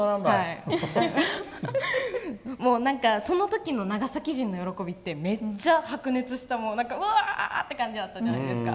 その時の長崎人の喜びってめっちゃ白熱した感じだったじゃないですか。